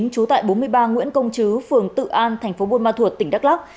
chú tại bốn mươi ba nguyễn công chứ phường tự an tp buôn ma thuột tỉnh đắk lắc